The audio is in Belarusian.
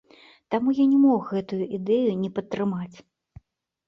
Таму я не мог гэтую ідэю не падтрымаць.